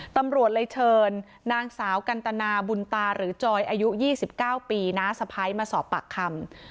ตำรวจเลยเชิญนางสาวกันตนาบุญตาหรือจอยอายุ๒๙ปีน้าสะพ้ายมาสอบปากคำ